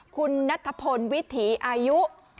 คุณนัทพลวิถีอายุ